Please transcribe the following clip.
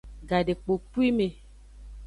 Gadekpokpwime.